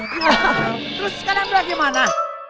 terus sekarang itu bagaimana